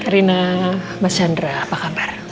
rina mas chandra apa kabar